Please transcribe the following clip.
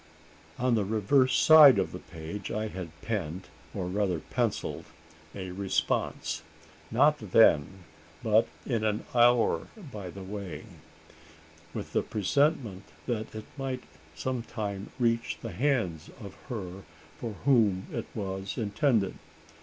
On the reverse side of the page I had penned, or rather pencilled, a response. Not then, but in an idle hour by the way: with the presentiment, that it might some time reach the hands of her for whom it was intended.